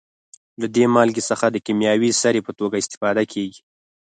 له دې مالګې څخه د کیمیاوي سرې په توګه استفاده کیږي.